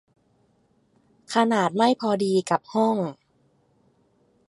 ขนาดไม่พอดีกับห้อง